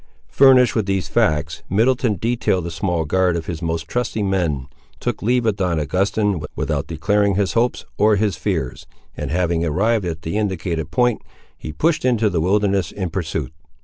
Furnished with these facts, Middleton detailed a small guard of his most trusty men, took leave of Don Augustin, without declaring his hopes or his fears, and having arrived at the indicated point, he pushed into the wilderness in pursuit.